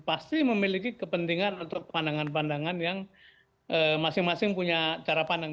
pasti memiliki kepentingan atau pandangan pandangan yang masing masing punya cara pandang